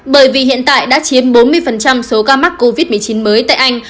bởi vì hiện tại đã chiếm bốn mươi số ca mắc covid một mươi chín mới tại anh